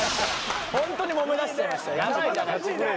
ホントにもめだしちゃいました。